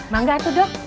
bangga atu dok